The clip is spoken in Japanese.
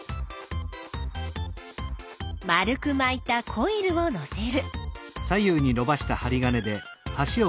丸くまいたコイルをのせる。